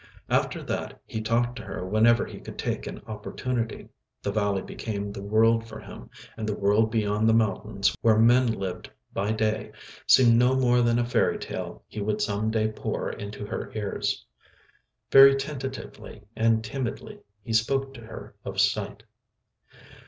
After that he talked to her whenever he could take an opportunity. The valley became the world for him, and the world beyond the mountains where men lived by day seemed no more than a fairy tale he would some day pour into her ears. Very tentatively and timidly he spoke to her of sight.